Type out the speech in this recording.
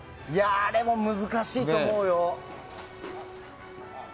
あれも難しいと思うよ。